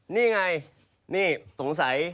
นี่ไงนี่สงสัย